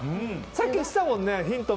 さっき言ってたもんね。